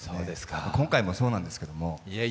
今回もそうなんですけど。